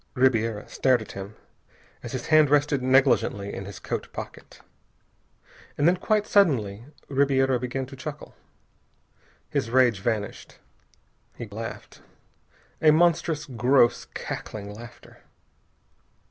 Ribiera stared at him as his hand rested negligently in his coat pocket. And then, quite suddenly Ribiera began to chuckle. His rage vanished. He laughed, a monstrous, gross, cackling laughter.